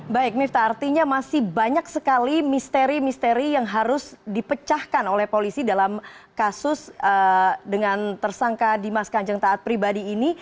baik mifta artinya masih banyak sekali misteri misteri yang harus dipecahkan oleh polisi dalam kasus dengan tersangka dimas kanjeng taat pribadi ini